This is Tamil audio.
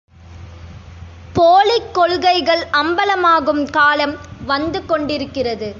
போலிக் கொள்கைகள் அம்பலமாகும் காலம் வந்துகொண் டிருக்கிறது.